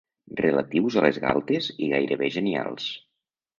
Relatius a les galtes i gairebé genials.